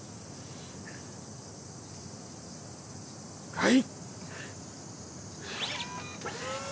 はい！